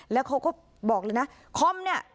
แล้วเขาก็บอกเลยนะคอมเนี่ย